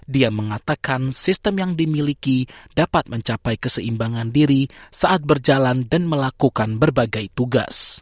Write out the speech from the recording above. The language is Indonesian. dia mengatakan sistem yang dimiliki dapat mencapai keseimbangan diri saat berjalan dan melakukan berbagai tugas